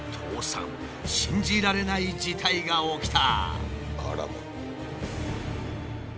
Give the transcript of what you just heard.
信じられない事態が起きた。